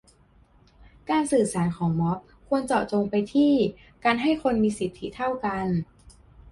การสื่อสารของม็อบควรเจาะจงไปที่การให้คนมีสิทธิเท่ากัน